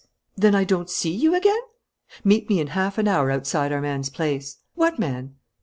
"Then I don't see you again?" "Meet me in half an hour outside our man's place." "What man?"